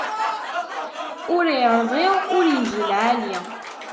Ur iṛḍi ur igi lɛali.